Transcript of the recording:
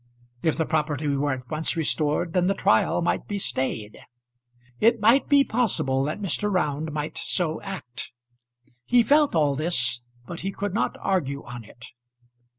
If the property were at once restored, then the trial might be stayed. It might be possible that Mr. Round might so act. He felt all this, but he could not argue on it.